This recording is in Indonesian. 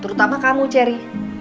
terutama kamu cherry